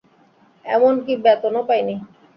এমনকি বেতনও পাইনি।